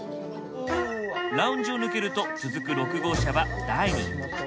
ラウンジを抜けると続く６号車はダイニング。